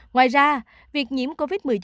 ngoài ra việc nhiễm covid một mươi chín